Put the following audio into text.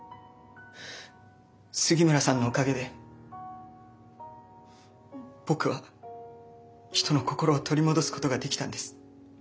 杉村さんのおかげで僕は人の心を取り戻すことができたんです。